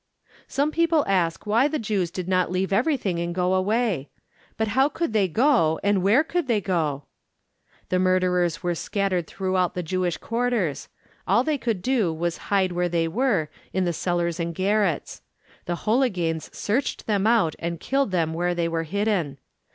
Some people ask why the Jews did not leave everything and go away. But how could they go and where could they go? The murderers were scattered throughout the Jewish quarters. All they could do was hide where they were in the cellars and garrets. The Holiganes searched them out and killed them where they were hidden.